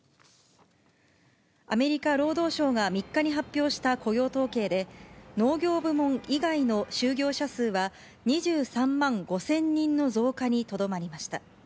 アメリカ労働省が３日に発表した雇用統計で、農業部門以外の就業者数は、２３万５０００人の増加にとどまりました。